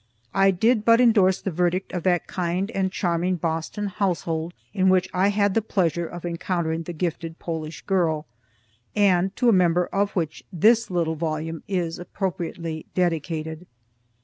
I did but endorse the verdict of that kind and charming Boston household in which I had the pleasure of encountering the gifted Polish girl, and to a member of which this little volume is appropriately dedicated.